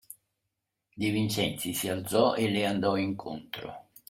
De Vincenzi si alzò e le andò incontro.